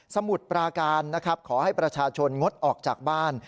สมุดปราการขอให้ประชาชนงดออกจากบ้าน